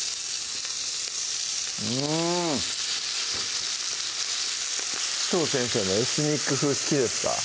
うん紫藤先生はエスニック風好きですか？